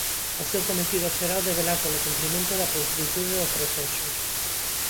O seu cometido será o de velar polo cumprimento da pulcritude do proceso.